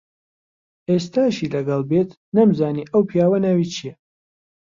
ئێستاشی لەگەڵ بێت نەمزانی ئەو پیاوە ناوی چییە.